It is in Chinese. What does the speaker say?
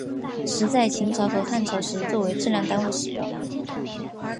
石在秦朝和汉朝时作为质量单位使用。